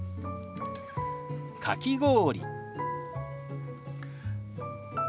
「かき氷」。